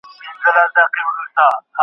هندي سبک د خیال په کارولو مشهور دی.